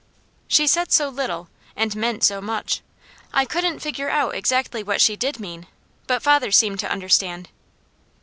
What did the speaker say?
She said so little and meant so much, I couldn't figure out exactly what she did mean, but father seemed to understand.